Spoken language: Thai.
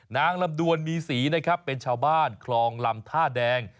นางลำดวนมีศรีนะครับเป็นชาวบ้านคลองลำท่าแดง